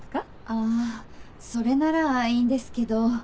あそれならいいんですけど。